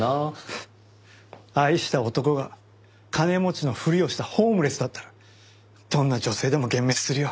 フッ愛した男が金持ちのふりをしたホームレスだったらどんな女性でも幻滅するよ。